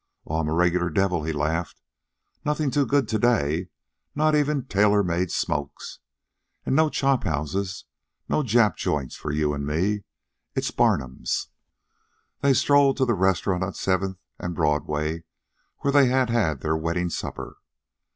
"Oh, I'm a regular devil," he laughed. "Nothing's too good to day not even tailor made smokes. An' no chop houses nor Jap joints for you an' me. It's Barnum's." They strolled to the restaurant at Seventh and Broadway where they had had their wedding supper.